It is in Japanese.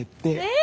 え？